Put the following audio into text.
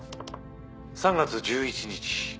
３月１１日